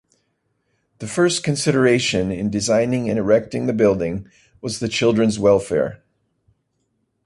The first consideration in designing and erecting the building was the children's welfare.